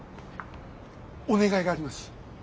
お願いがあります。